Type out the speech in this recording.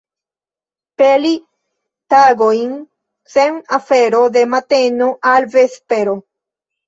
Peli tagojn sen afero de mateno al vespero.